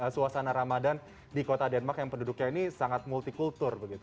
suasana ramadan di kota denmark yang penduduknya ini sangat multi kultur begitu